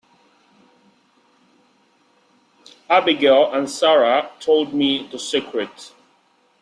Abigail and Sara told me the secret.